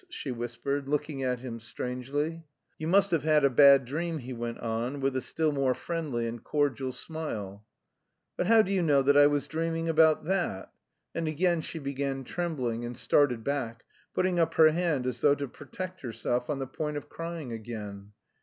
she whispered, looking at him strangely. "You must have had a bad dream," he went on, with a still more friendly and cordial smile. "But how do you know that I was dreaming about that?" And again she began trembling, and started back, putting up her hand as though to protect herself, on the point of crying again.